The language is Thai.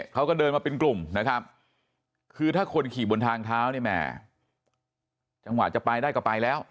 เขาก็เดินมาเป็นกลุ่มนะครับคือถ้าคนขี่บนทางเท้าเนี่ยแหมจังหวะจะไปได้ก็ไปแล้ว